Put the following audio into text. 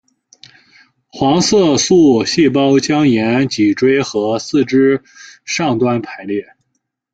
黄色素细胞将沿脊椎和四肢上端排列。